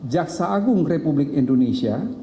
jaksa agung republik indonesia